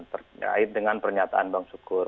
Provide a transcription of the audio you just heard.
terkait dengan pernyataan bang sukur